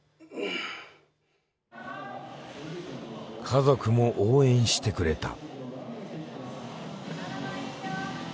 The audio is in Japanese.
家族も応援してくれた。